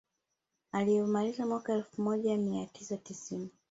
Aliyomaliza mwaka elfu moja mia tisa tisini